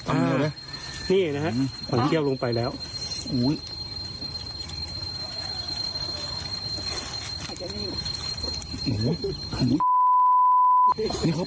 อ่านี่เนี่ยนะฮะขนเกี้ยวลงไปแล้วโอ้โฮ